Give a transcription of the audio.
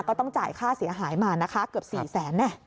ก็ต้องจ่ายค่าเสียหายมานะคะเกือบ๔แสน